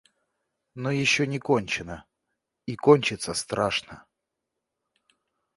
Но еще не кончено... и кончится страшно.